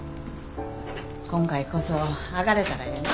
今回こそ上がれたらええな。